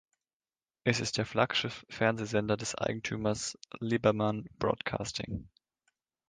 Es ist der Flaggschiff-Fernsehsender des Eigentümers Liberman Broadcasting.